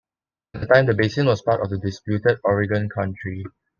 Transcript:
At the time, the basin was part of the disputed Oregon Country.